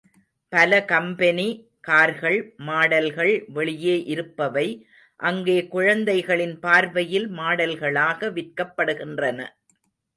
பல கம்பெனி கார்கள் மாடல்கள் வெளியே இருப்பவை அங்கே குழந்தைகளின் பார்வையில் மாடல்களாக விற்கப்படுகின்றன.